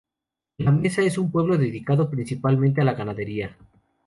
La Mesa es un pueblo dedicado principalmente a la ganadería.